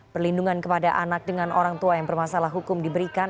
perlindungan kepada anak dengan orang tua yang bermasalah hukum diberikan